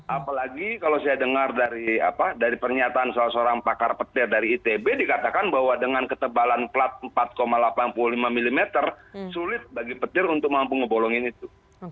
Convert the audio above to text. apalagi kalau saya dengar dari pernyataan salah seorang pakar petir dari itb dikatakan bahwa dengan ketebalan plat empat delapan puluh lima mm sulit bagi petir untuk mampu ngebolongin itu